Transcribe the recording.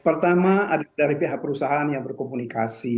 pertama ada dari pihak perusahaan yang berkomunikasi